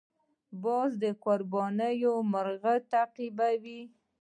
باز د قرباني مرغه تعقیبوي